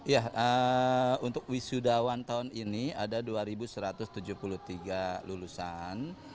ya untuk wisudawan tahun ini ada dua satu ratus tujuh puluh tiga lulusan